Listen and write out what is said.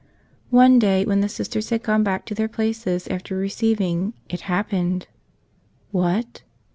One day, when the Sisters had gone back to their places after receiving, it happened. What?